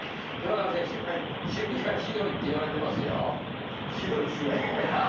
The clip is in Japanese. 村上選手守備がひどいって言われてますよ。